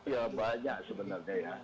ya banyak sebenarnya ya